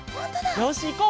よしいこう！